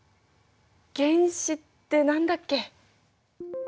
原子ってなんだっけ。